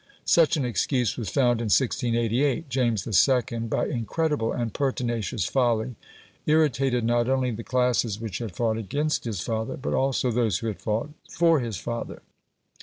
Such an excuse was found in 1688. James II., by incredible and pertinacious folly, irritated not only the classes which had fought AGAINST his father, but also those who had fought FOR his father.